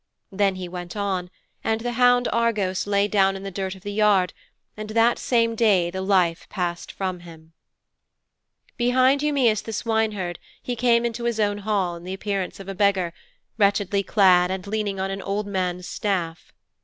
Then he went on, and the hound Argos lay down in the dirt of the yard, and that same day the life passed from him. Behind Eumæus, the swineherd, he came into his own hall, in the appearance of a beggar, wretchedly clad and leaning on an old man's staff.